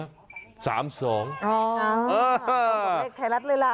อ๋อเอามาเลขไขลัดเลยล่ะ